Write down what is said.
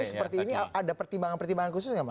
tapi seperti ini ada pertimbangan pertimbangan khusus nggak mas